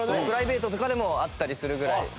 プライベートとかでも会ったりするぐらい。